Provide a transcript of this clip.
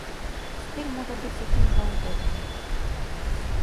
Стыль можа быць якім заўгодна.